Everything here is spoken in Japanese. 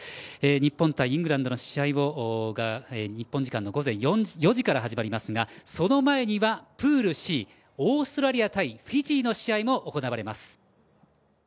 日本対イングランドの試合は日本時間の午前４時から始まりますがその前にはプールＣオーストラリア対フィジーの試合行われます。